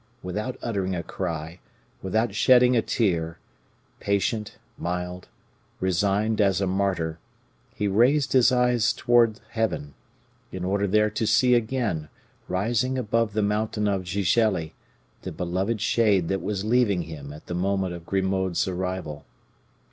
Without uttering a cry, without shedding a tear, patient, mild, resigned as a martyr, he raised his eyes towards Heaven, in order there to see again, rising above the mountain of Gigelli, the beloved shade that was leaving him at the moment of Grimaud's arrival.